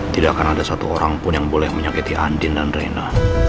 tidak akan ada satu orang pun yang boleh menyakiti andin dan rena